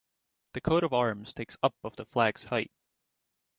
The coat of arms takes up of the flag's height.